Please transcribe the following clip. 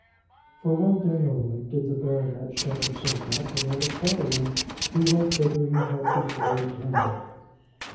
For one day only did the baronet shut himself up, and on the following he went whither he had before intended.